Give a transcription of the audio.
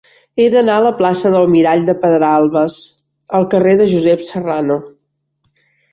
He d'anar de la plaça del Mirall de Pedralbes al carrer de Josep Serrano.